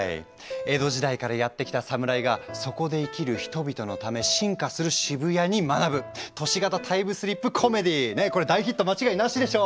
江戸時代からやって来た侍がそこで生きる人々のため進化する渋谷に学ぶ都市型タイムスリップコメディーねこれ大ヒット間違いなしでしょ！